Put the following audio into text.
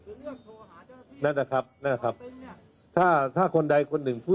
คือเรื่องโทรหาเรื่องนั่นนะครับนั่นนะครับถ้าถ้าคนใดคนหนึ่งพูด